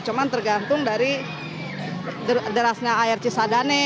cuma tergantung dari derasnya air cisadane